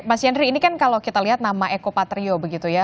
mas yandri ini kan kalau kita lihat nama ekopatrio begitu ya